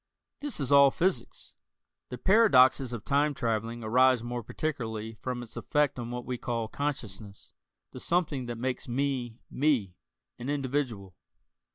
This is all physics. The paradoxes of time traveling arise more particularly from its effect on what we call consciousness, the something that makes me "me" an individual.